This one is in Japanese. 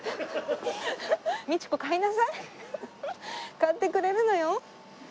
買ってくれるのよ。